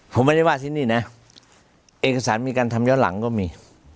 ผมไม่ได้ว่าที่นี่นะเอกสารมีการทำย้อนหลังก็มี